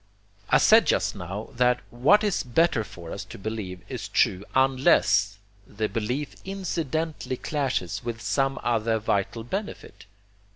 I said just now that what is better for us to believe is true UNLESS THE BELIEF INCIDENTALLY CLASHES WITH SOME OTHER VITAL BENEFIT.